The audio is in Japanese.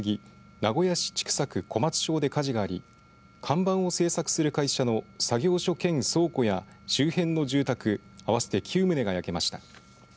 名古屋市千種区小松町で火事があり看板を制作する会社の作業所兼倉庫や周辺の住宅合わせて９棟が焼けました。